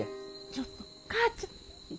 ちょっとお母ちゃん。